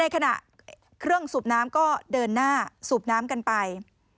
ขณะเครื่องสูบน้ำก็เดินหน้าสูบน้ำกันไป